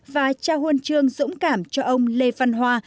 và trao hôn trương dũng cảm cho ông lê văn hoa